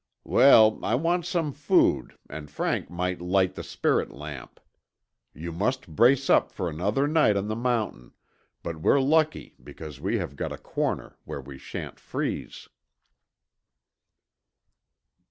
"Well, I want some food and Frank might light the spirit lamp. You must brace up for another night on the mountain, but we're lucky because we have got a corner where we shan't freeze."